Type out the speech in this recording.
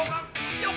よっ！